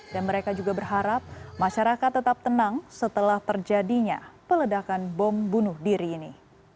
dan mereka juga berharap masyarakat tetap tenang setelah terjadinya peledakan bom bunuh diri ini